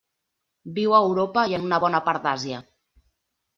Viu a Europa i en una bona part d'Àsia.